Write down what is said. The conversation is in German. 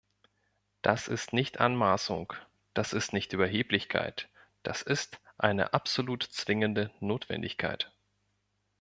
Das ist nicht Anmaßung, das ist nicht Überheblichkeit, das ist eine absolut zwingende Notwendigkeit!